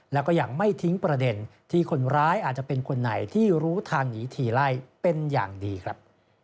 แล้วก็ยังไม่ทิ้งประเด็นที่คนร้ายอาจจะเป็นคนไหนที่รู้ทางหนีทีไล่เป็นอย่างดีครับ